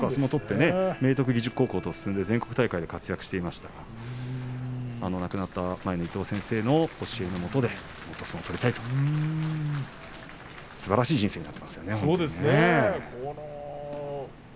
明徳義塾高校に進んで全国大会で活躍していましたが、亡くなった前の伊東先生の教えのもと相撲を取りたいとすばらしい人生になっていますよね。